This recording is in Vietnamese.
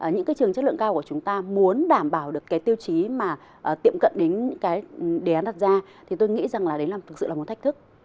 những cái trường chất lượng cao của chúng ta muốn đảm bảo được cái tiêu chí mà tiệm cận đến những cái đề án đặt ra thì tôi nghĩ rằng là đấy là thực sự là một thách thức